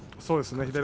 そうですね